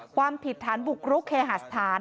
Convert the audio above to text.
ความผิดฐานบุกรุกเคหาสถาน